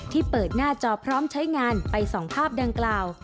เปิดหน้าจอพร้อมใช้งานไป๒ภาพดังกล่าว